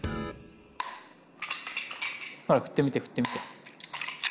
ほら振ってみて振ってみて。